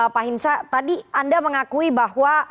pak hinsa tadi anda mengakui bahwa